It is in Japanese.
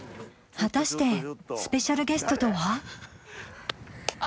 果たしてスペシャルゲストとは？